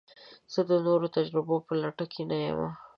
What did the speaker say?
زه د نوو تجربو په لټه کې نه یم.